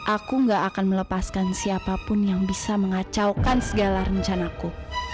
aku gak akan melepaskan siapapun yang bisa mengacaukan segala rencanaku